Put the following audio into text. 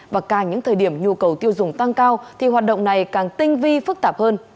và càng những thời điểm nhu cầu tiêu dùng tăng cao thì hoạt động này càng tinh vi phức tạp hơn